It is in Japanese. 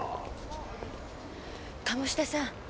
鴨志田さん。